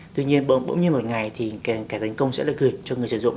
tuy nhiên bỗng nhiên một ngày thì kẻ tấn công sẽ lại gửi cho người sử dụng